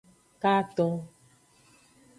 Katon.